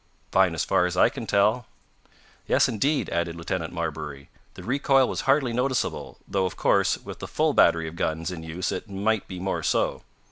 "Fine, as far as I can tell." "Yes, indeed," added Lieutenant Marbury. "The recoil was hardly noticeable, though, of course, with the full battery of guns in use, it might be more so."